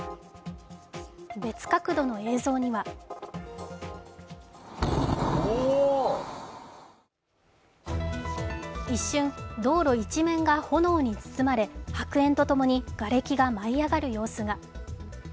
別角度の映像には一瞬、道路一面が炎に包まれ、白煙と共にがれきが舞い上がる様子が。